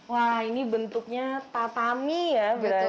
wah ini bentuknya tatami ya berarti